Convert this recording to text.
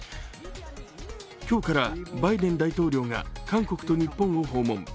今日からバイデン大統領が韓国と日本を訪問。